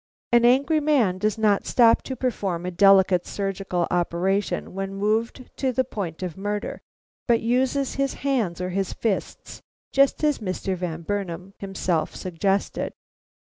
An angry man does not stop to perform a delicate surgical operation when moved to the point of murder, but uses his hands or his fists, just as Mr. Van Burnam himself suggested."